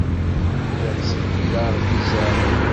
Lliɣ ttṣeyyideɣ-d izan.